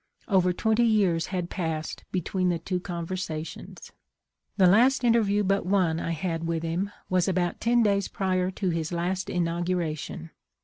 Over twenty years had passed between the two conversations. "The last interview but one I had with him was about ten days prior to his last inauguration.